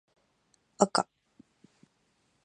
あか